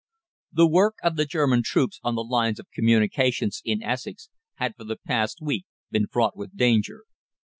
The work of the German troops on the lines of communication in Essex had for the past week been fraught with danger.